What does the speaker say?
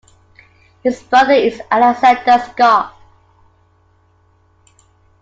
His brother is Alexander Scott.